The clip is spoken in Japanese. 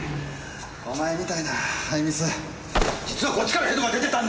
お前みたいなハイミス実はこっちからヘドが出てたんだよ！